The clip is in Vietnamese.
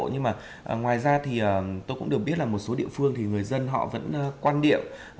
nhưng mà ngoài ra thì tôi cũng được biết là một số địa phương thì người dân họ vẫn quan niệm